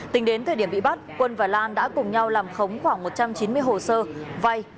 tính đến thời điểm bị bắt quân và lan đã cùng nhau làm khống khoảng một trăm chín mươi hồ sơ vay